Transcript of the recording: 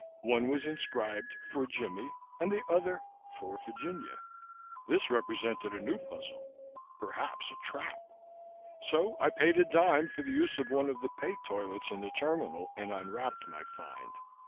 One was inscribed "For Jimmie" and the other "For Virginia." This represented a new puzzle perhaps a trap so I paid a dime for the use of one of the pay toilets in the Terminal and unwrapped my find.